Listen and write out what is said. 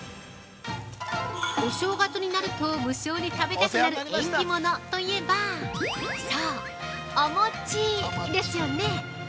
お正月になると無性に食べたくなる縁起物といえば、そう、お餅ですよね。